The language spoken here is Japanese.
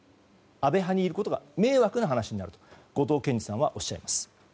安倍派にいることが迷惑な話になると後藤謙次さんはおっしゃいます。